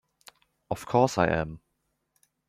Of course I am!